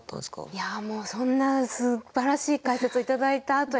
いやもうそんなすばらしい解説を頂いたあとに話す感じの。